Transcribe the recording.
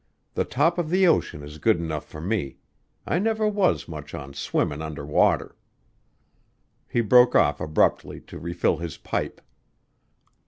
The top of the ocean is good enough for me; I never was much on swimmin' under water." He broke off abruptly to refill his pipe.